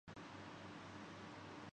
یہ کم اہم معلومات نہیں تھیں۔